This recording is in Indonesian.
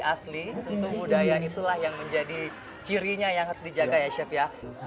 asli tentu budaya itulah yang menjadi cirinya yang harus dijaga ya chef ya